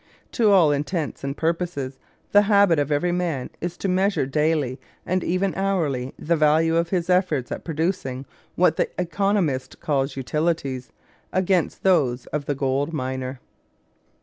To all intents and purposes the habit of every man is to measure daily and even hourly the value of his efforts at producing what the economist calls "utilities," against those of the gold miner.